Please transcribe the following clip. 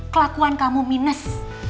kelakuan kamu minus